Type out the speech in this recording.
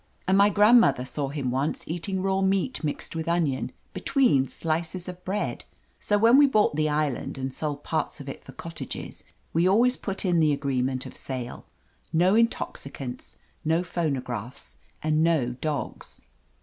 And my grandmother saw him once eating raw meat mixed with onion, between slices of bread ! So when we bought the island, and sold parts of it for cottages, we always put in the agreement of sale : "No intoxicants, no phonographs and no dogs."